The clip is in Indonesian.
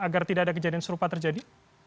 agar tidak ada kejadian serupa terjadi